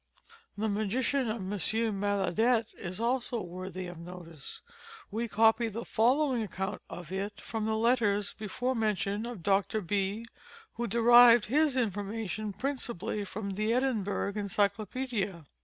The magician of M. Maillardet is also worthy of notice. We copy the following account of it from the Letters before mentioned of Dr. B., who derived his information principally from the Edinburgh Encyclopaedia.